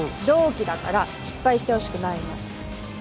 同期だから失敗してほしくないの。